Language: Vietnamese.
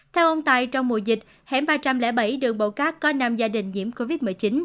theo ông tài trong mùa dịch hẻm ba trăm linh bảy đường bộ cát có năm gia đình nhiễm covid một mươi chín